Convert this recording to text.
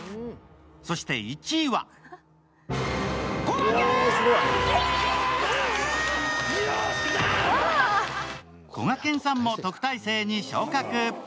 そして１位はこがけんさんも特待生に昇格。